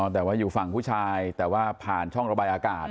แต่ว่าอยู่ฝั่งผู้ชายแต่ว่าผ่านช่องระบายอากาศ